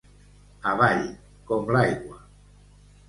Avall, com l'aigua.